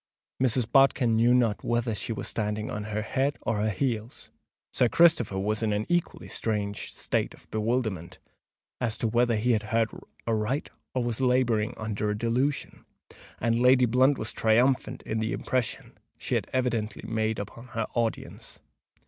Mrs. Bodkin knew not whether she were standing on her head or her heels: Sir Christopher was in an equally strange state of bewilderment as to whether he had heard aright or was labouring under a delusion; and Lady Blunt was triumphant in the impression she had evidently made upon her audience.